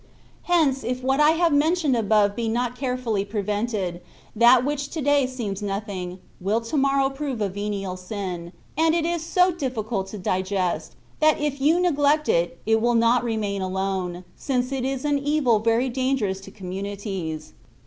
Hence, if what I have mentioned above be not carefully prevented, that which to day seems nothing, will to morrow prove a venial sin; and it is so difficult to digest, that if you neg lect it, it will not remain alone, since it is an evil very dangerous to communities.